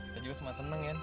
tadi gua semua seneng ya